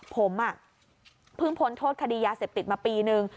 ผมเพิ่งพ้นโทษคดียาเสพติดมาปีนึง